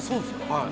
はい。